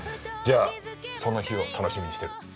じゃあその日を楽しみにしてる。